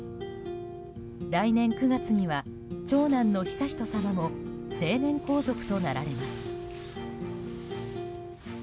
来年９月には長男の悠仁さまも成年皇族となられます。